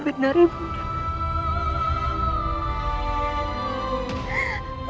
benar ibu nek